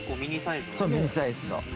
ミニサイズの。